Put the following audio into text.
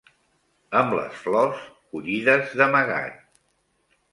Amb les flors, collides d'amagat